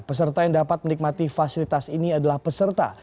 peserta yang dapat menikmati fasilitas ini adalah peserta